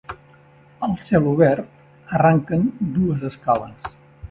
Al celobert arranquen dues escales.